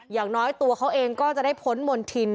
อย่างน้อยตัวเขาเองก็จะได้พ้นมณฑิน